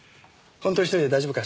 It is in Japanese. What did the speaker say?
本当に１人で大丈夫か？